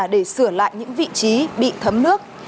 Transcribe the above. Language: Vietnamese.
để sửa lại những vị trí bị thấm nước